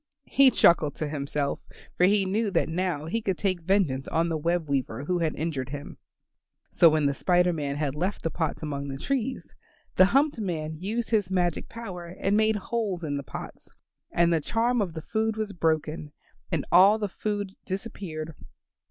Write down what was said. He chuckled to himself, for he knew that now he could take vengeance on the web weaver who had injured him. So when the Spider Man had left the pots among the trees, the humped man used his magic power and made holes in the pots, and the charm of the food was broken and all the food disappeared.